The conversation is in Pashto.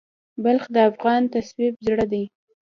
بلخ د افغان تصوف زړه دی.